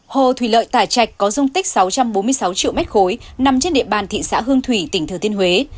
hồ thủy lợi tài trạch có dung tích sáu trăm bốn mươi sáu triệu m ba nằm trên địa bàn thị xã hương thủy tỉnh thừa tiên huế